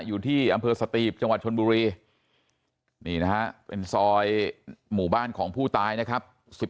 อยู่ที่อำเภอสตีบจังหวัดชนบุรีนี่นะฮะเป็นซอยหมู่บ้านของผู้ตายนะครับ